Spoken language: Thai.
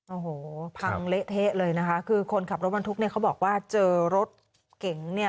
โอ้โหพังเละเทะเลยนะคะคือคนขับรถบรรทุกเนี่ยเขาบอกว่าเจอรถเก๋งเนี่ย